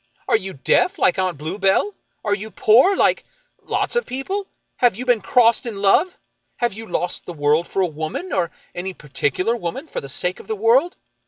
Are you deaf, like Aunt Bluebell? Are you poor, like — lots of people? Have you been crossed in love? Have you lost the world for a woman, or any particular woman for the sake of the world